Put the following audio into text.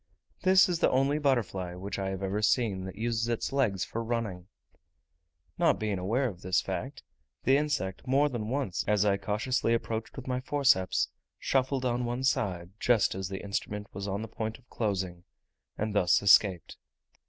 This is the only butterfly which I have ever seen, that uses its legs for running. Not being aware of this fact, the insect, more than once, as I cautiously approached with my forceps, shuffled on one side just as the instrument was on the point of closing, and thus escaped.